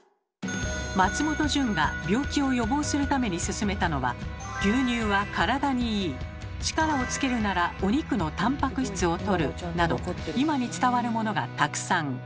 松本順が病気を予防するためにすすめたのは「牛乳は体にいい！」「力をつけるならお肉のたんぱく質をとる！」など今に伝わるものがたくさん。